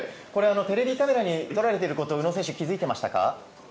これはテレビカメラに撮られていることを宇野選手は気づいていましたか？